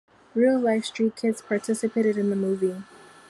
Real life street kids participated in the movie.